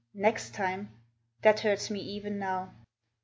NEXT TIME. That hurts me even now!